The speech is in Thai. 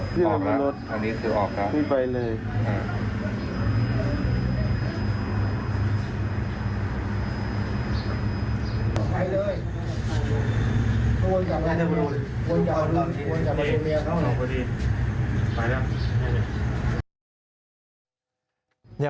พี่ไปเลย